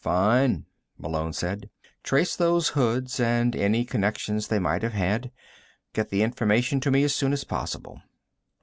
"Fine," Malone said. "Trace those hoods, and any connections they might have had. Get the information to me as soon as possible."